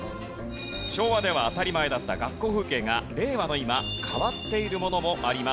昭和では当たり前だった学校風景が令和の今変わっているものもあります。